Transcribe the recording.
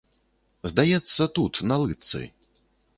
Здаецца, тут, на лытцы.